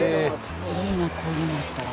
いいなこういうのあったら。